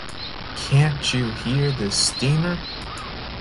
Can’t You Hear the Steamer?